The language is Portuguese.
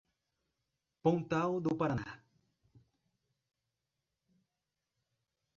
Pontal do Paraná